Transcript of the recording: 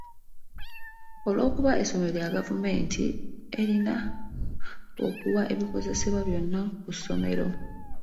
Olw'okuba essomero lya gavumenti, erina okuwa ebikozesebwa byonna ku ssomero.